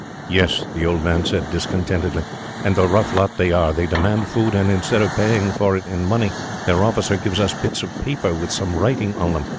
"Yes," the old man said, discontentedly, "and a rough lot they are. They demand food, and instead of paying for it in money, their officer gives us bits of paper with some writing on them.